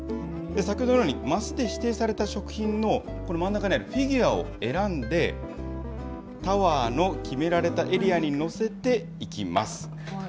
先ほどのように、升で指定された食品のこの真ん中にあるフィギュアを選んで、タワーの決められたエリアに載せていきます。